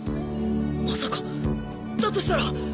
まさかだとしたら。